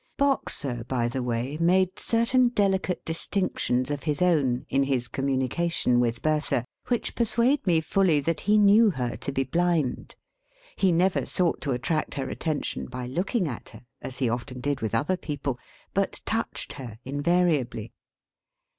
Boxer, by the way, made certain delicate distinctions of his own, in his communication with Bertha, which persuade me fully that he knew her to be blind. He never sought to attract her attention by looking at her, as he often did with other people, but touched her, invariably.